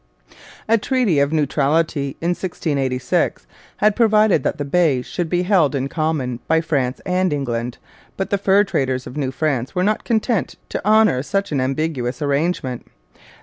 A treaty of neutrality, in 1686, had provided that the Bay should be held in common by France and England, but the fur traders of New France were not content to honour such an ambiguous arrangement.